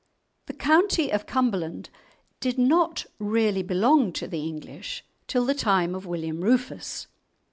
The county of Cumberland did not really belong to the English till the time of William Rufus.